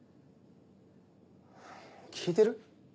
聞いてる？